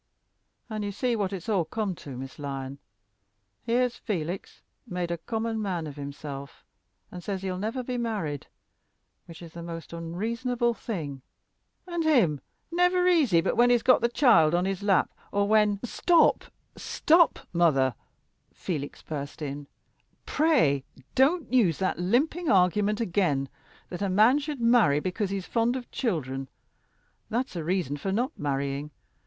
And you see what it's all come to, Miss Lyon: here's Felix made a common man of himself, and says he'll never be married which is the most unreasonable thing, and him never easy but when he's got the child on his lap, or when " "Stop, stop, mother," Felix burst in; "pray don't use that limping argument again that a man should marry because he's fond of children. That's a reason for not marrying.